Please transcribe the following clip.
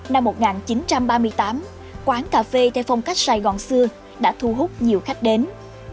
năm một nghìn chín trăm ba mươi tám quán cà phê theo phong cách sài gòn xưa đã thu hút nhiều khách đến